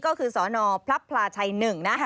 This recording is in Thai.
ก็คือสนพลับพลาชัย๑นะคะ